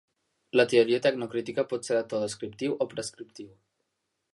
La teoria tecnocrítica pot ser de to "descriptiu" o "prescriptiu".